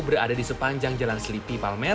berada di sepanjang jalan selipi palmer